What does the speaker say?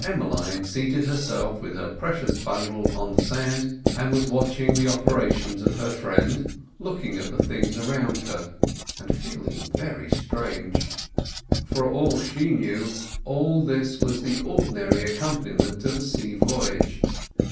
Emmeline seated herself with her precious bundle on the sand, and was watching the operations of her friend, looking at the things around her and feeling very strange. For all she knew all this was the ordinary accompaniment of a sea voyage.